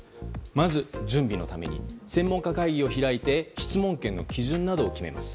まず、準備のために専門家会議を開いて質問権の基準などを決めます。